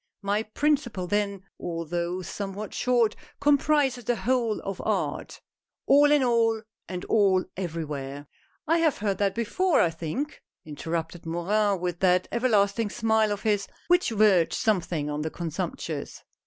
My principle then, although somewhat short, comprises the whole of art :" All in all — and all everywhere !" "I have heard that before, I think," interrupted Morin, with that everlasting smile of his, which verged sometimes on the contemptuous.